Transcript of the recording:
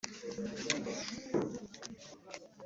ibigenerwa abakozi ba leta boherejwe mu butumwa